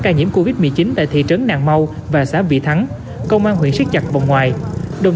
ca nhiễm covid một mươi chín tại thị trấn nàng mau và xã vị thắng công an huyện siết chặt vòng ngoài đồng